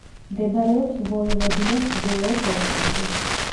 მდებარეობს ვოევოდინას ჩრდილოეთ ნაწილში.